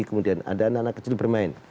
kemudian adanya anak kecil bermain